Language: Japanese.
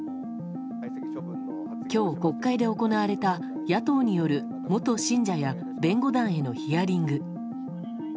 今日、国会で行われた野党による元信者や弁護団へのヒアリング。